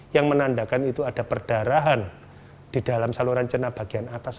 yang menandakan itu ada perdarahan di dalam saluran cerna bagian atas